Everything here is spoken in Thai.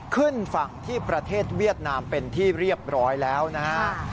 ขึ้นฝั่งที่ประเทศเวียดนามเป็นที่เรียบร้อยแล้วนะฮะ